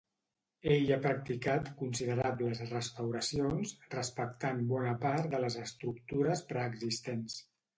Ell ha practicat considerables restauracions, respectant bona part de les estructures preexistents.